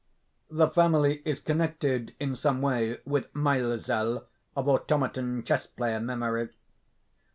The family is connected, in some way, with Mäelzel, of Automaton chess player memory.